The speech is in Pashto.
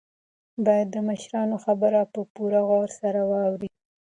باید د مشرانو خبره په پوره غور سره واورئ.